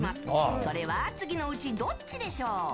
それは次のうちどっちでしょう？